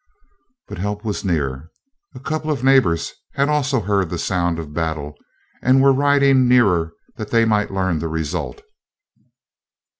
But help was near. A couple of neighbors had also heard the sound of battle, and were riding nearer that they might learn the result.